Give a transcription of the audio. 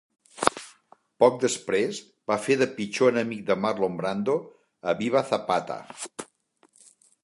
Poc després, va fer de pitjor enemic de Marlon Brando a "Viva Zapata!".